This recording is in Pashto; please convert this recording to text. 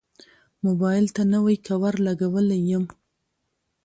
موبایل ته نوی کوور لګولی یم.